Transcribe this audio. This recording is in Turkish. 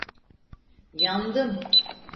Yandım!